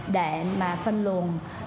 để mà phân luận